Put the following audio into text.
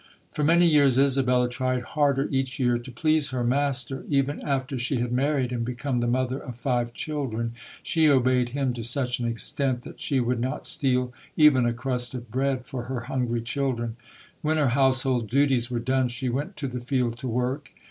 For many years, Isabella tried harder each year to please her master. Even after she had married and become the mother of five children, she obeyed him to such an extent that she would not steal even a crust of bread for her hungry children. When her household duties were done, she went to the field to work.